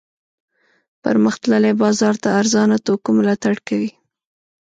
پرمختللی بازار د ارزانه توکو ملاتړ کوي.